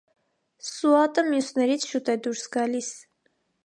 Սուատը մյուսներից շուտ է դուրս գալիս։